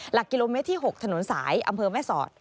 หลักกิโลเมตรที่๖ถนนสายอำเภอแม่สอด